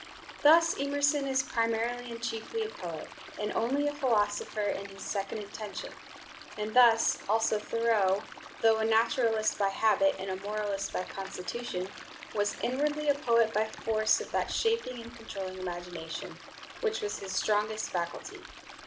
Thus Emerson is primarily and chiefly a poet, and only a philosopher in his second intention; and thus also Thoreau, though a naturalist by habit, and a moralist by constitution, was inwardly a poet by force of that shaping and controlling imagination, which was his strongest faculty.